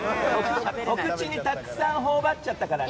お口にたくさん頬張っちゃったからね。